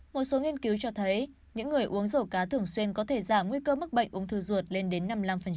một số nghiên cứu cho thấy những người uống dầu cá thường xuyên có thể giảm nguy cơ mắc bệnh ung thư ruột lên đến năm mươi năm